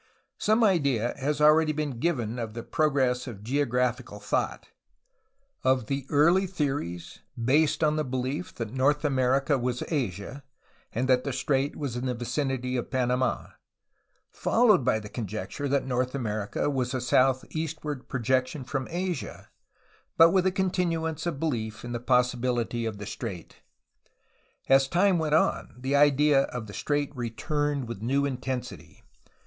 Some idea has already been given of the pro gress of geographical thought, — of the early theories based on the belief that North America was Asia and that the strait was in the vicinity of Panamd, followed by the conjecture that North America was a south eastward projection from Asia, but with a continuance of belief in the possibility of the strait. As time went on, the idea of the strait returned with new intensity.